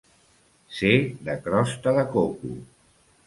Ser de crosta de coco.